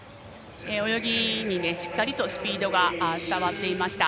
泳ぎにしっかりとスピードが伝わっていました。